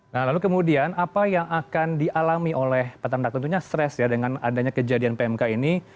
nah lalu kemudian apa yang akan dialami oleh peternak tentunya stres ya dengan adanya kejadian pmk ini